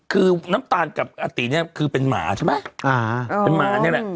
คือน้ำตาลกับอติเนี่ยคือเป็นหมาใช่ไหม